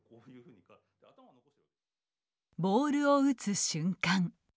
ボールを打つ瞬間。